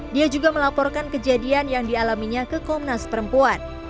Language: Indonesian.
dia juga melaporkan kejadian yang dialaminya ke komnas perempuan